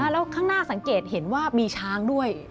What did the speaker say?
แล้วข้างหน้าสังเกตเห็นว่ามีช้างด้วย